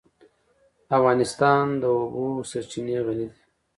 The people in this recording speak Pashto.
افغانستان په د اوبو سرچینې غني دی.